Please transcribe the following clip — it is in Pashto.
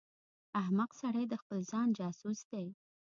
احمق سړی د خپل ځان جاسوس دی.